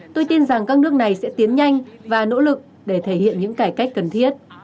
tôi tin rằng các nước này sẽ tiến nhanh và nỗ lực để thể hiện những cải cách